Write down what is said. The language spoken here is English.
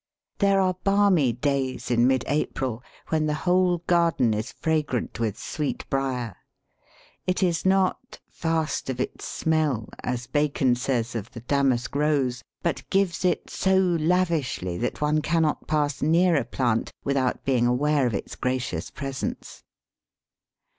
There are balmy days in mid April, when the whole garden is fragrant with Sweetbriar. It is not "fast of its smell," as Bacon says of the damask rose, but gives it so lavishly that one cannot pass near a plant without being aware of its gracious presence.